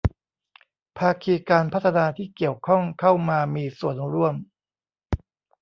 ภาคีการพัฒนาที่เกี่ยวข้องเข้ามามีส่วนร่วม